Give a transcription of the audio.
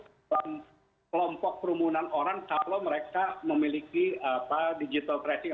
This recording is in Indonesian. ke kelompok perumunan orang kalau mereka memiliki digital tracing